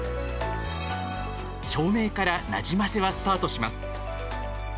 照明から「なじませ」はスタートします。